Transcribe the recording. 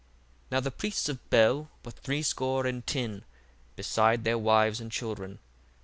1:10 Now the priests of Bel were threescore and ten, beside their wives and children.